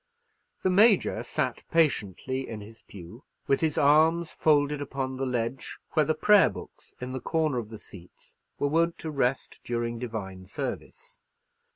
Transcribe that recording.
The Major sat patiently in his pew, with his arms folded upon the ledge, where the prayer books in the corner of the seats were wont to rest during divine service.